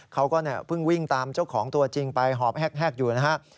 เขาก็เพิ่งวิ่งตามเจ้าของตัวจริงไปหอบแฮกอยู่นะฮะ